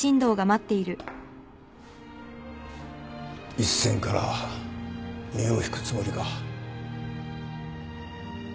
一線から身を引くつもりか？